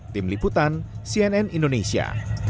tim liputan cnn indonesia